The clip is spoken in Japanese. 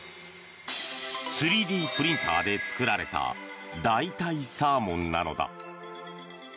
３Ｄプリンターで作られた代替サーモンなのだ。